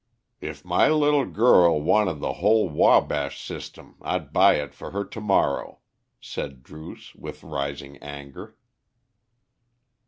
"If my little girl wanted the whole Wabash System I'd buy it for her to morrow," said Druce, with rising anger.